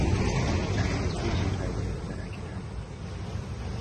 I won't squeeze you tighter than I can help.